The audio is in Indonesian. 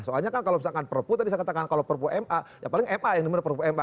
soalnya kan kalau misalkan perpu tadi saya katakan kalau perpu ma ya paling ma yang dimana perpu ma